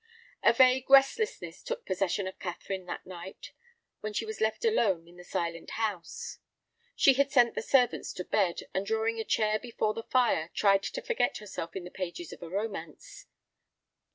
A vague restlessness took possession of Catherine that night, when she was left alone in the silent house. She had sent the servants to bed, and drawing a chair before the fire, tried to forget herself in the pages of romance.